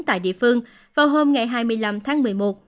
tại địa phương vào hôm ngày hai mươi năm tháng một mươi một